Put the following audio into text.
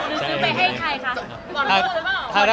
ก็จะมีหมอนอ่ะครับ